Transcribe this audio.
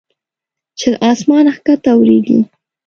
چې له اسمانه کښته اوریږي